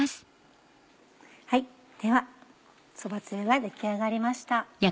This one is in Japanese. ではそばつゆが出来上がりました。